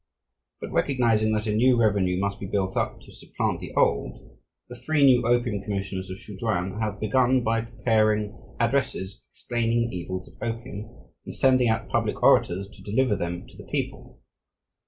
But recognizing that a new revenue must be built up to supplant the old, the three new opium commissioners of Sze chuan have begun by preparing addresses explaining the evils of opium, and sending out "public orators" to deliver them to the people.